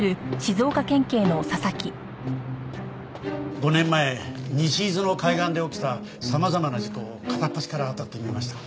５年前西伊豆の海岸で起きた様々な事故を片っ端から当たってみました。